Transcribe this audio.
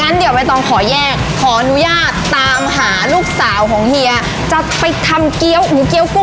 เดี๋ยวใบตองขอแยกขออนุญาตตามหาลูกสาวของเฮียจะไปทำเกี้ยวหมูเกี้ยวกุ้